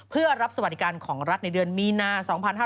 เพื่อรับสวัสดิการของรัฐในเดือนมีนา๒๕๕๙